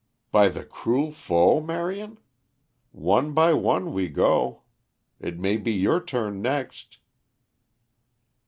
"By the cruel foe, Marion? One by one we go. It may be your turn next."